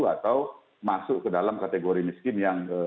atau masuk ke dalam kategori miskin yang